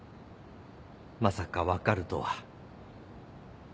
まさか分かるとは。